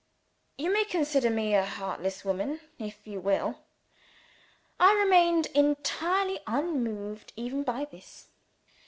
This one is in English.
You may consider me a heartless woman if you will. I remained entirely unmoved even by this.